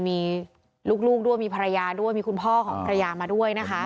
มีลูกด้วยมีภรรยาด้วยมีคุณพ่อของภรรยามาด้วยนะคะ